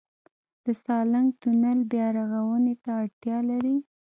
د سالنګ تونل بیارغونې ته اړتیا لري؟